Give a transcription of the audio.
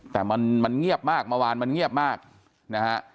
แต่มันเงียบมากเมื่อวานมันเงียบมากนะฮะ